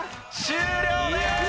終了です！